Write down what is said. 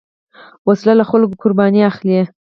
وسله له خلکو قرباني اخلي